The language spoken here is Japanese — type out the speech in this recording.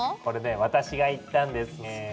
これね私が行ったんですね。